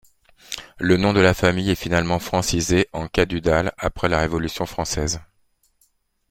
Le nom de la famille est finalement francisé en Cadudal après la Révolution française.